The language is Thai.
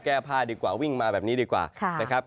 แก้พ่าดีกว่าวิ่งมาแบบนี้ดีกว่า